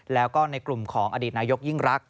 แล้วก็ในกลุ่มของอดีตนายกยิ่งรัก